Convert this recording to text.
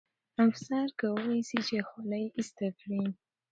افسر کولای سي چې خولۍ ایسته کړي.